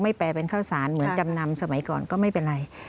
แปลเป็นข้าวสารเหมือนจำนำสมัยก่อนก็ไม่เป็นไร